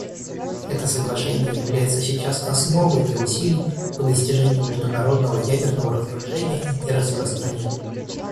Это соглашение является сейчас основой для усилий по достижению международного ядерного разоружения и нераспространения.